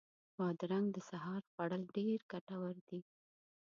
بادرنګ د سهار خوړل ډېر ګټور دي.